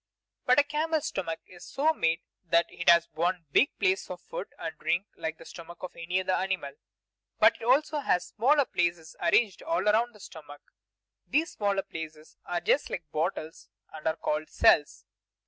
But a camel's stomach is so made that it has one big place for food and drink like the stomach of any other animal, but it also has many smaller places arranged all around the stomach; these smaller places are just like bottles, and are called cells.